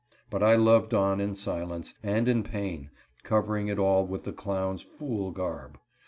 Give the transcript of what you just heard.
But I loved on in silence, and in pain, covering it all with the clown's fool garb.